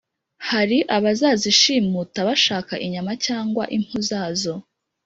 hari abazishimuta bashaka inyama cyangwa impu zazo.